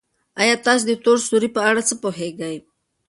ایا تاسي د تور سوري په اړه څه پوهېږئ؟